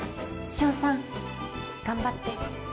翔さん頑張って。